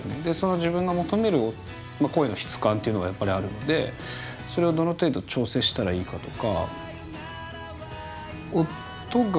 自分が求める声の質感というのがやっぱりあるのでそれをどの程度調整したらいいかとか。